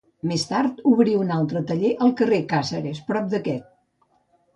Més tard, obrí un altre taller al carrer Càceres, prop d'aquest.